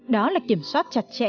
đó là kiểm soát chặt chẽ